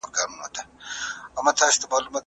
که وخت وي، ليکنې کوم!!